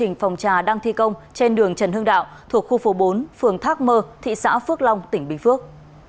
công trình phòng trà đang thi công trên đường trần hưng đạo thuộc khu phố bốn phường thác mơ thị xã phước long tỉnh bình phước